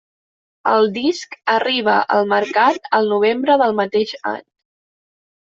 El disc arriba al mercat al novembre del mateix any.